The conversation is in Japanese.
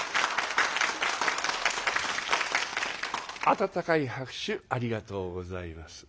温かい拍手ありがとうございます。